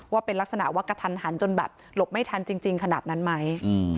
ว่าเป็นลักษณะว่ากระทันหันจนแบบหลบไม่ทันจริงขนาดนั้นไหม